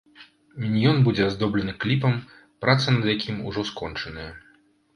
Міньён будзе аздоблены кліпам, праца над якім ужо скончаная.